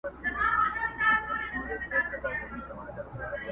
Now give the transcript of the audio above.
لمر یې په نصیب نه دی جانانه مه راځه ورته!!